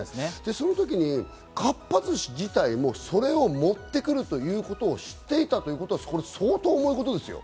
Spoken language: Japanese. そのときに、かっぱ寿司自体もそれを持ってくるということを知っていたということ、相当重いことですよ。